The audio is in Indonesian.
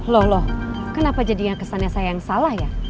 lho loh kenapa jadi kesannya saya yang salah ya